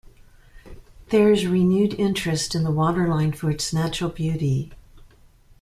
There is renewed interest in the waterline for its natural beauty.